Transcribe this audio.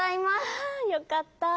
あよかった。